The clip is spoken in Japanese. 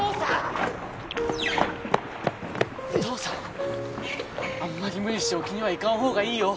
父さんあんまり無理して沖には行かんほうがいいよ